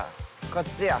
こっちや。